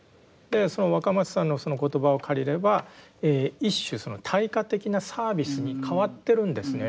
その若松さんのその言葉を借りれば一種その対価的なサービスに変わってるんですね